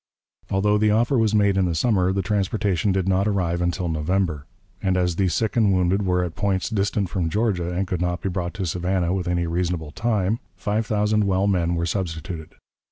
Although the offer was made in the summer, the transportation did not arrive until November. And as the sick and wounded were at points distant from Georgia, and could not be brought to Savannah within a reasonable time, five thousand well men were substituted.